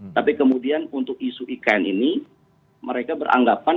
tapi kemudian untuk isu ikn ini mereka beranggapan